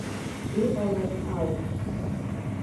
Иҟалаз ауп.